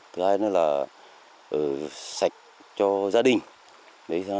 thứ hai là sạch cho gia đình